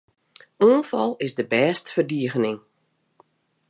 Oanfal is de bêste ferdigening.